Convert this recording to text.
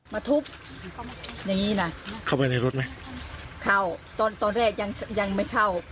มาทุบอย่างงี้นะเข้าไปในรถไหมเข้าตอนตอนแรกยังยังไม่เข้า